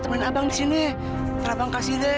kurang aja lu ya kurang aja lu ya